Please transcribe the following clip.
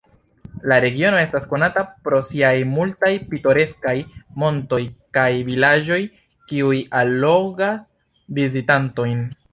La regiono estas konata pro siaj multaj pitoreskaj montoj kaj vilaĝoj, kiuj allogas vizitantojn.